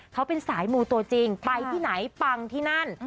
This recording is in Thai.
เขาเป็นสายมูตัวจริงไปที่ไหนปังที่นั่น